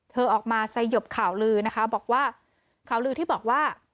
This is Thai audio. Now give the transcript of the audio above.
เธอออกมาใส่หยบข่าวลือนะคะข่าวลือที่บอกว่า